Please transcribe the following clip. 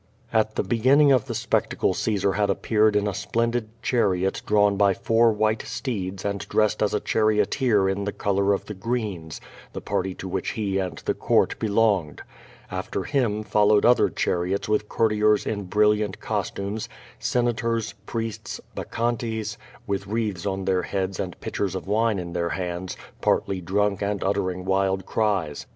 At the beginning of the spectacle Caesar had appeared in a splendid chariot drawn by four white steeds and dressed as a charioteer in the color of the Greens, the party to which he and the court belonged. After him followed other chariots with courtiers in brilliant costumes. Senators, priests, bac chantes, with wreaths on their heads and pitchers of wine in their hands, partly drunk and uttering wild cries.